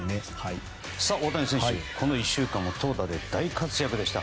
大谷選手、この１週間も投打で大活躍でした。